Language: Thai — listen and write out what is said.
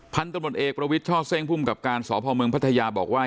พันธุมรตเอกประวิจชาวเซ้งภูมิกับการสพพัทยาบอกว่า